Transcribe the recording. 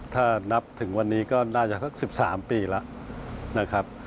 ถ้านับถึงวันนี้ก็น่าจะเกือบ๑๓ปีแล้ว